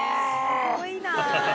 すごいなぁ。